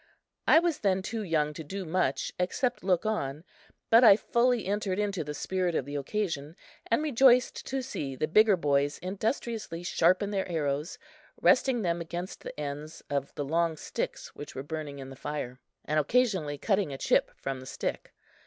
I was then too young to do much except look on; but I fully entered into the spirit of the occasion, and rejoiced to see the bigger boys industriously sharpen their arrows, resting them against the ends of the long sticks which were burning in the fire, and occasionally cutting a chip from the stick.